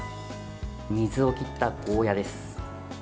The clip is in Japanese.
水を切ったゴーヤーです。